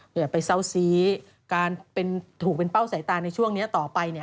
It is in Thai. อย่าไปเศร้าซีการถูกเป็นเป้าสายตาในช่วงนี้ต่อไปเนี่ย